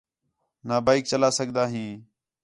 نا بائیک چلا سڳدا ہیں